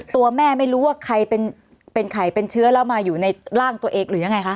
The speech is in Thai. ตัวแม่ไม่รู้ว่าใครเป็นใครเป็นเชื้อแล้วมาอยู่ในร่างตัวเองหรือยังไงคะ